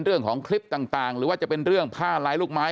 เรื่องของคลิปต่างหรือว่าจะเป็นเรื่องผ้าลายลูกไม้